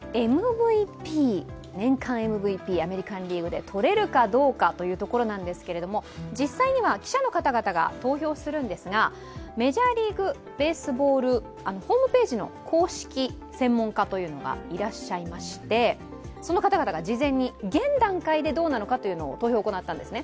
年間ＭＶＰアメリカン・リーグでとれるかどうかということなんですけど実際には記者の方々が投票するんですがメジャーリーグベースボール、ホームページの公式専門家というのがいらっしゃいまして、その方々が事前に現段階でどうなのかという投票を行ったんですね。